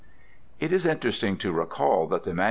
It is interesting to recall that the MS.